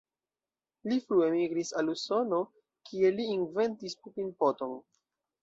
Li frue migris al Usono, kie li inventis Pupin-poton.